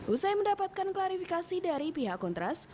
usai mendapatkan klarifikasi dari pihak kontras